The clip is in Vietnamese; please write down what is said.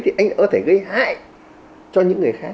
thì anh có thể gây hại cho những người khác